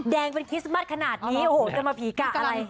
แดงเป็นคริสต์มัสขนาดนี้โอ้โหจะมาผีกะอะไร